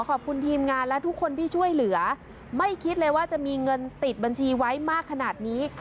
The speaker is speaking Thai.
ขอบคุณทีมงานและทุกคนที่ช่วยเหลือไม่คิดเลยว่าจะมีเงินติดบัญชีไว้มากขนาดนี้